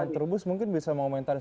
bang terubus mungkin bisa mengomentaris